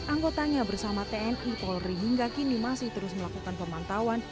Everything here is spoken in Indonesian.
anggotanya bersama tni polri hingga kini masih terus melakukan pemantauan